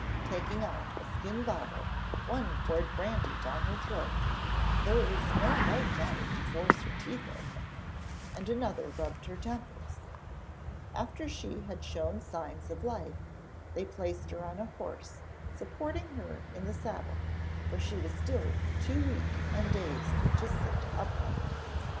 Taking out a skin bottle, one poured brandy down her throat though it was no light matter to force her teeth open and another rubbed her temples. After she had shown signs of life they placed her on a horse, supporting her in the saddle, for she was still too weak and dazed to sit upright.